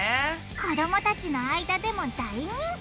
子供たちの間でも大人気！